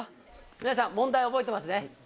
皆さん問題覚えてますね？